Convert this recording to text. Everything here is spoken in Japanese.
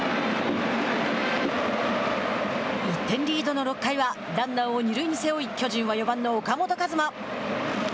１点リードの６回はランナーを二塁に背負い巨人は４番の岡本和真。